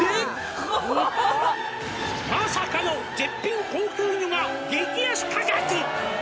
「まさかの絶品高級魚が激安価格！」